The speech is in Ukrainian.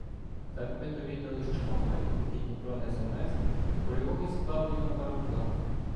Так ми довідалися, що Мамай, поки Дніпро не замерз, полював із плавнів на пароплави.